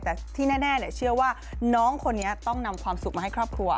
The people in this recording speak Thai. แต่ที่แน่เชื่อว่าน้องคนนี้ต้องนำความสุขมาให้ครอบครัว